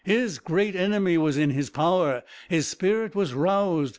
His great enemy was in his power; his spirit was roused.